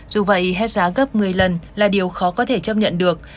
dù vậy hết giá gấp một mươi lần là điều khó có thể chấp nhận được